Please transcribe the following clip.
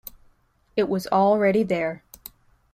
It was already there.